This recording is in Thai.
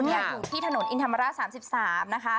อยู่ที่ถนนอิทธามาร่า๓๓นะคะ